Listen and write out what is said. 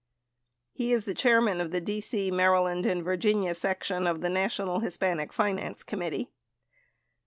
He is the chairman of the D.C., Maryland, and Virginia section of the National Hispanic Finance Committee.